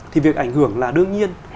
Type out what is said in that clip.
thì việc ảnh hưởng là đương nhiên